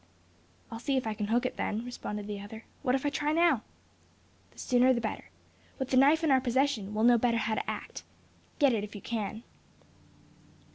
"I'll see if I can hook it then," responded the other. "What if I try now?" "The sooner the better. With the knife in our possession, we'll know better how to act. Get it, if you can."